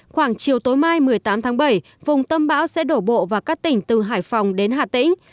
khoảng chiều tối mai một mươi tám tháng bảy vùng tâm bão sẽ đổ bộ vào các tỉnh từ hải phòng đến hà tĩnh